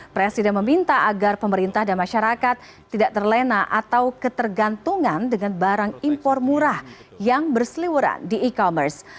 presiden meminta agar pemerintah dan masyarakat tidak terlena atau ketergantungan dengan barang impor murah yang berseliwuran di e commerce